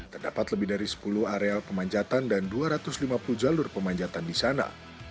terdapat lebih dari sepuluh areal pemanjatan dan dua ratus lima puluh jalur pemanjatan di sana